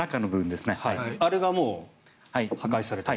あれがもう破壊されたと。